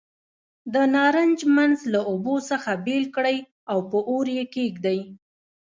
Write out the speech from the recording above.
د نارنج منځ له اوبو څخه بېل کړئ او په اور یې کېږدئ.